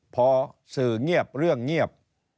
พอสื่อเงียบเรื่องเงียบ